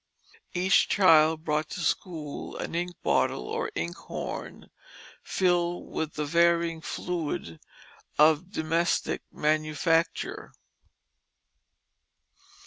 Each child brought to school an ink bottle or ink horn filled with the varying fluid of domestic manufacture.